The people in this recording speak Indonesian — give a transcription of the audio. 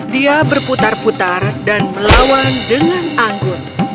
dia berputar putar dan melawan dengan anggun